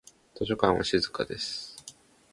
図書館は静かです。